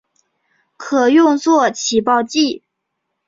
可用作起爆剂。